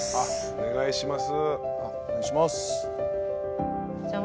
お願いします。